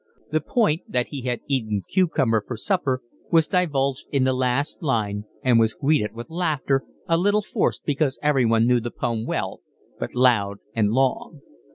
The point, that he had eaten cucumber for supper, was divulged in the last line and was greeted with laughter, a little forced because everyone knew the poem well, but loud and long.